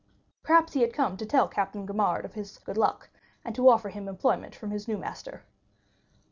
Perhaps he had come to tell Captain Gaumard of his good luck, and to offer him employment from his new master.